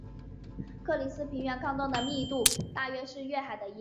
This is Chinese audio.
克里斯平原坑洞的密度大约是月海的一半。